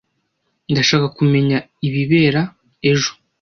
Ndashaka kumenya ibibera ejo.